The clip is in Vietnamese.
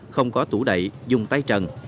không có tủ đậy dùng tay trần